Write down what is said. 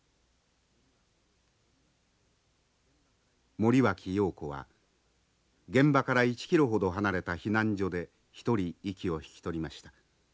森脇瑤子は現場から１キロほど離れた避難所で一人息を引き取りました。